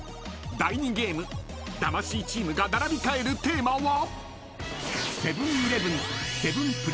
［第２ゲーム魂チームが並び替えるテーマは？］